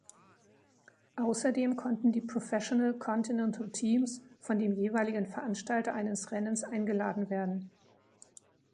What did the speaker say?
Außerdem konnten die Professional Continental Teams von dem jeweiligen Veranstalter eines Rennens eingeladen werden.